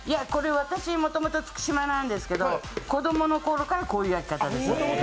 私もともと月島なんですけど、子供のころからこれです。